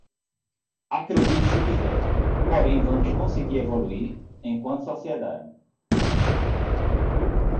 Acredite se quiser, porém vamos conseguir evoluir enquanto sociedade